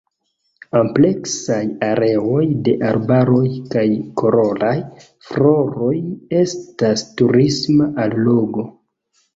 Ampleksaj areoj de arbaroj kaj koloraj floroj estas turisma allogo.